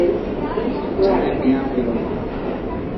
چائي پيان پيو.